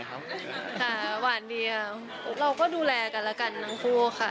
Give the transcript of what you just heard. ค่ะหวานดีครับเราก็ดูแลกันละกันทั้งคู่ค่ะ